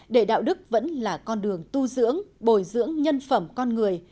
để đạo đức vẫn là con đường tu dưỡng bồi dưỡng nhân phẩm con người